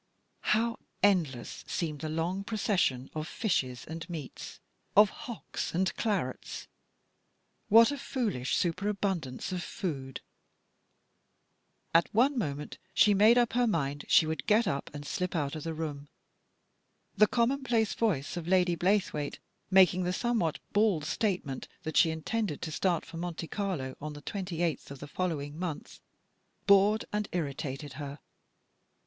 How endless seemed the long procession of fish and entrees, of hocks and clarets! What foolish superabundance of food. .. At one moment, she made up 244 THE STORY OF A MODERN WOMAN. her mind she would get up and slip out of the room. The commonplace voice of Lady Blaythewaite, making the somewhat bald statement that she intended to start for Monte Carlo on the 28th of the following month, bored and irritated her.